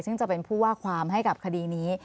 ซึ่งจะเป็นผู้ว่าความให้กับคดีนี้